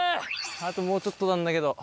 あともうちょっとなんだけど。